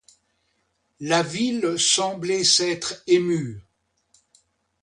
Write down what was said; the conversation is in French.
La ville semblait s'être émue.